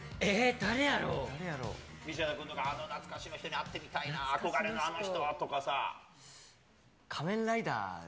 道枝君とか、あの懐かしの人に会ってみたいな、憧れのあの人。